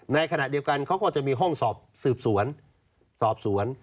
ในขณะเดียวกันเขาก็จะมีห้องสอบสืบสวนสอบสวน